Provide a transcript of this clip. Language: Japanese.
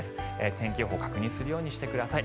天気予報を確認するようにしてください。